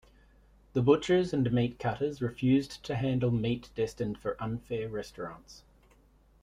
The butchers and meat cutters refused to handle meat destined for unfair restaurants.